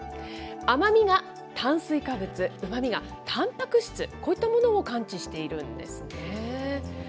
甘みが炭水化物、うまみがたんぱく質、こういったものを感知しているんですね。